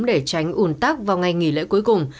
để tránh ủn tắc vào ngày nghỉ lễ cuối cùng